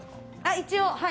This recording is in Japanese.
一応、はい。